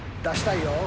出したいよ。